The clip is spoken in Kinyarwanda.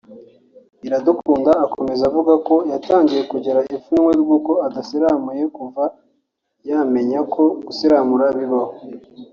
Iradukunda akomeza avuga ko yatangiye kugira ipfunwe ry’uko adasiramuye kuva yamenya ko gusiramura bibaho